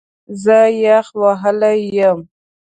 زه یخ وهلی یم